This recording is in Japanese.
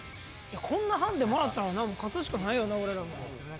こんなハンデもらったらな勝つしかないよな俺ら。